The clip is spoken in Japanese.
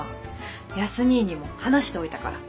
康にぃにも話しておいたから。